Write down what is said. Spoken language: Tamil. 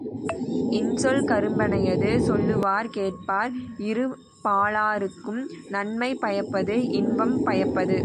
இன்சொல், கரும்பனையது சொல்லுவார் கேட்பார் இருபாலாருக்கும் நன்மை பயப்பது இன்பம் பயப்பது.